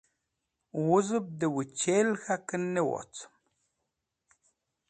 Wuzẽb dẽ wẽchel k̃hakẽn ne wocẽm